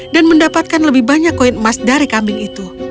dan mendapatkan lebih banyak koin emas dari kambing itu